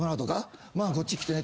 「ママこっち来てね」